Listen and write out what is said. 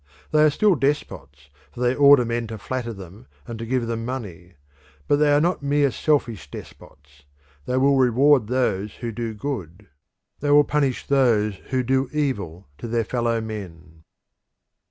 They are still despots, for they order men to flatter them and to give them money. But they are not mere selfish despots; they will reward those who do good, they will punish those who do evil to their fellow men.